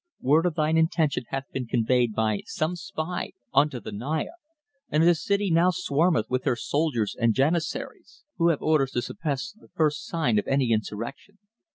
Word of thine intention hath been conveyed by some spy unto the Naya, and the city now swarmeth with her soldiers and janissaries, who have orders to suppress the first sign of any insurrection.